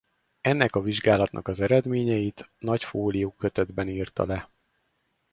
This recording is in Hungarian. Ennek a vizsgálatnak az eredményeit nagy fólió kötetben írta le.